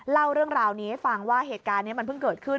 เล่าเรื่องราวนี้ให้ฟังว่าเหตุการณ์นี้มันเพิ่งเกิดขึ้น